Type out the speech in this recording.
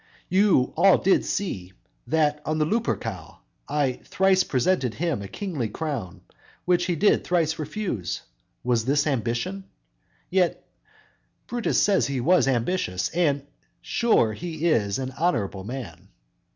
You all did see, that on the Lupercal I thrice presented him a kingly crown Which he did thrice refuse. Was this ambition? Yet Brutus says he was ambitious; And, sure, he is an honorable man.